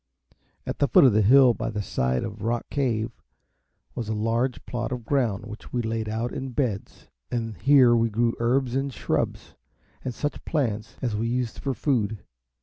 At the foot of the hill by the side of Rock Cave was a large plot of ground, which we laid out in beds, and here we grew herbs and shrubs, and such plants as we used for food.